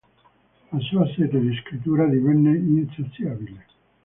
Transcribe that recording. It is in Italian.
La sua sete di scrittura divenne insaziabile.